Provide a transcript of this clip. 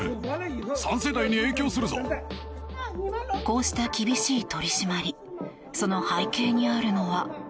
こうした厳しい取り締まりその背景にあるのは。